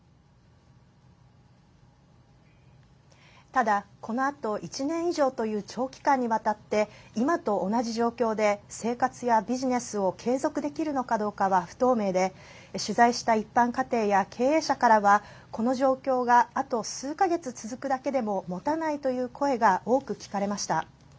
ただ、このあと１年以上という長期間にわたって今と同じ状況で生活やビジネスを継続できるのかどうかは不透明で取材した一般家庭や経営者からはこの状況があと数か月続くだけでももたないという声が多く聞かれました。